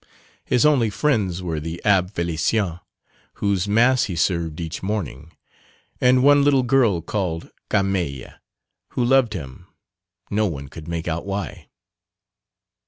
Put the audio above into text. His only friends were the Abbé Félicien whose Mass he served each morning, and one little girl called Carmeille, who loved him, no one could make out why.